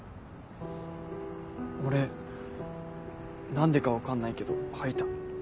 俺何でか分かんないけど吐いた。